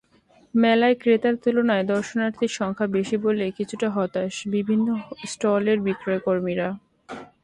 মেলায় ক্রেতার তুলনায় দর্শনার্থীর সংখ্যা বেশি বলে কিছুটা হতাশ বিভিন্ন স্টলের বিক্রয়কর্মীরা।